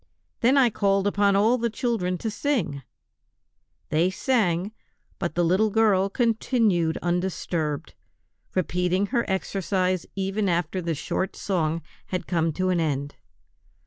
Then I called upon all the children to sing; they sang, but the little girl continued undisturbed, repeating her exercise even after the short song had come to an end.